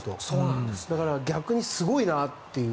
だから、逆にすごいなっていう。